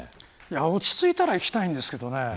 落ち着いたら行きたいんですけどね。